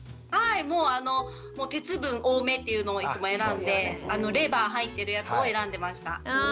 もうあの鉄分多めというのをいつも選んでレバー入っているやつを選んでました。